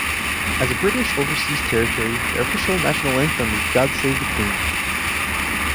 As a British Overseas Territory, the official national anthem is "God Save the Queen".